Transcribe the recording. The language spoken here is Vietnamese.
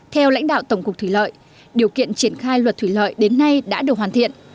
theo lãnh đạo tổng cục thủy lợi điều kiện triển khai luật thủy lợi đến nay đã được hoàn thiện